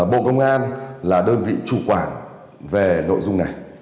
bộ công an là đơn vị chủ quản về nội dung này